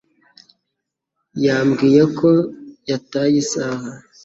yambwiye ko yataye isaha.